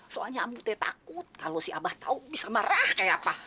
soalnya ambu teh takut kalau si abah tau bisa marah kayak apa